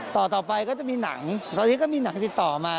ต่อไปก็จะมีหนังตอนนี้ก็มีหนังติดต่อมา